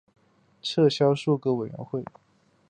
撤销数个委员会。